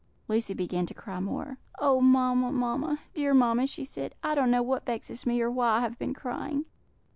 Lucy began to cry more. "Oh, mamma, mamma! dear mamma!" she said, "I don't know what vexes me, or why I have been crying."